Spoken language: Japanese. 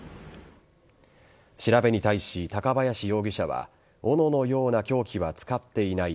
調べに対し、高林容疑者はおののような凶器は使っていない。